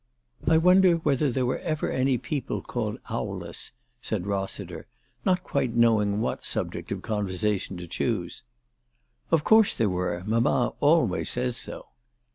" I wonder whether there ever were any people called Owless," said Eossiter, not quite knowing what subject of conversation to choose. " Of course there were. Mamma always says so."